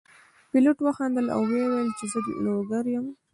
پیلوټ وخندل او وویل چې زه د لوګر یم.